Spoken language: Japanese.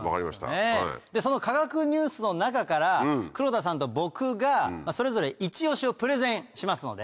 でその科学ニュースの中から黒田さんと僕がそれぞれイチ押しをプレゼンしますので。